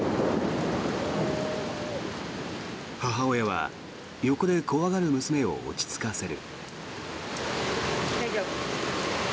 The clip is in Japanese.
母親は横で怖がる娘を落ち着かせる。